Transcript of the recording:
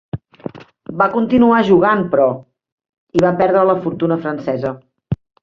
Va continuar jugant, però, i va perdre la fortuna francesa.